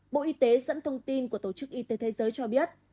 bộ y tế dẫn thông tin của tổ chức y tế thế giới cho biết